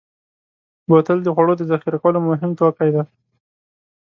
بوتل د خوړو د ذخیره کولو مهم توکی دی.